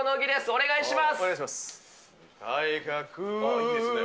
お願いします。